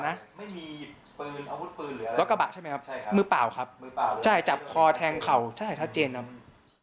รถกระบาก็ถือลงมา